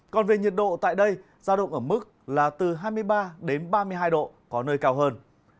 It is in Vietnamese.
còn về nhiệt độ tại đây giao động ở mức là từ hai mươi ba đến ba mươi hai độ có nơi cao hơn